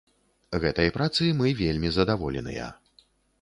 Гэтай працай мы вельмі задаволеныя.